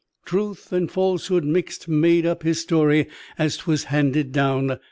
Truth and falsehood mixed made up his story as 'twas handed down.